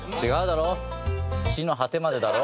「地の果てまで」だろ？